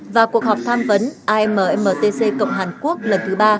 và cuộc họp tham vấn ammtc cộng hàn quốc lần thứ ba